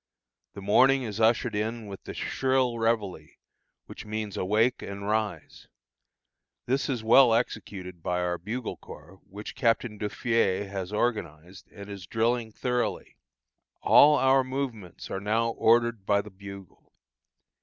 The morning is ushered in with the shrill reveille, which means awake and arise. This is well executed by our bugle corps, which Captain Duffié has organized, and is drilling thoroughly. All our movements are now ordered by the bugle.